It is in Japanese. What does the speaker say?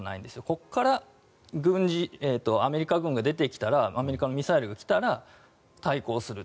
ここから軍事アメリカ軍が出てきたらアメリカのミサイルが来たら対抗する。